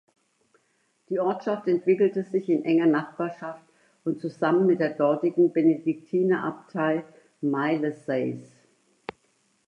Die Ortschaft entwickelte sich in enger Nachbarschaft und zusammen mit der dortigen Benediktinerabtei Maillezais.